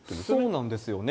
そうなんですよね。